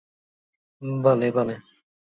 مەسیحێکی دیش پەیدا دەبێ!